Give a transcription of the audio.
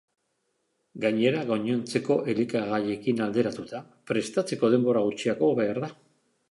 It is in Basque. Gainera, gainontzeko elikagaiekin alderatuta, prestatzeko denbora gutxiago behar da.